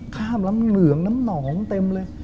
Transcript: ข้ามล้ำเหงื่องล้ำหนองเต็มเลย